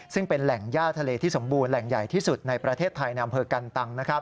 ซึ่งเป็นแหล่งย่าทะเลที่สมบูรณแหล่งใหญ่ที่สุดในประเทศไทยในอำเภอกันตัง